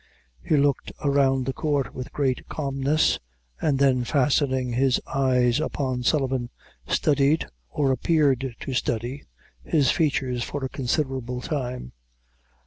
He looked around the court with great calmness, and then fastening his eyes upon Sullivan, studied, or I appeared to study, his features for a considerable time.